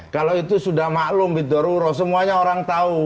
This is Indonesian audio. kalau itu sudah maklum bidaruro semuanya orang tahu